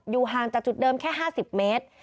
ห่างจากจุดเดิมแค่๕๐เมตร